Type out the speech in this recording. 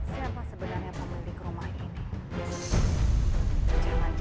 siapa sebenarnya pemimpin keluarga ini